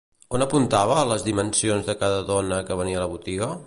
On apuntava les dimensions de cada dona que venia a la botiga?